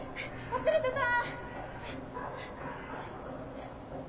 忘れてた！